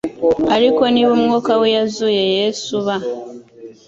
ariko niba umwuka w'Iyazuye Yesu uba,